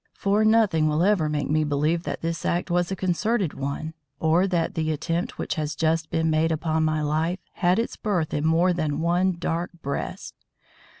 For nothing will ever make me believe that this act was a concerted one or that the attempt which has just been made upon my life had its birth in more than one dark breast.